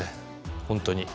本当に。